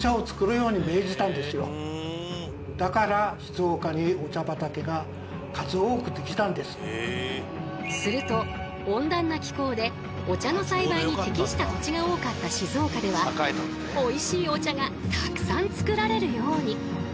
永山先生によれば現在のようにすると温暖な気候でお茶の栽培に適した土地が多かった静岡ではおいしいお茶がたくさん作られるように。